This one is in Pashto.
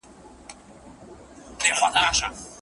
ټولنه اوسمهال نویو مثبتو بدلونونو ته ځان چمتو کوي.